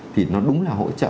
thì nó đúng là hỗ trợ thôi